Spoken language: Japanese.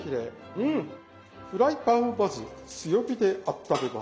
フライパンをまず強火であっためます。